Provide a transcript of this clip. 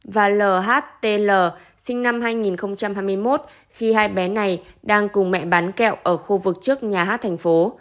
và lhtl sinh năm hai nghìn hai mươi một khi hai bé này đang cùng mẹ bán kẹo ở khu vực trước nhà hát thành phố